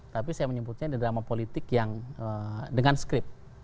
tapi saya menyebutnya drama politik yang dengan skrip